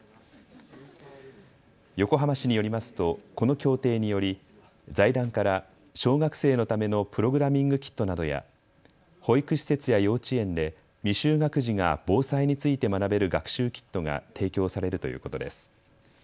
横浜市によりますとこの協定により財団から小学生のためのプログラミングキットなどや保育施設や幼稚園で未就学児が防災について学べる学習キットが提供されるということです。